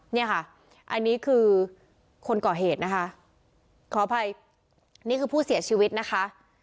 เนี่ยค่ะอันนี้คือคนก่อเหตุนะคะขออภัยนี่คือผู้เสียชีวิตนะคะ